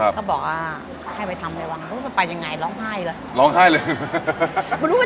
ก็บอกไปทำไปวางไปยังไงร้องไห้เลย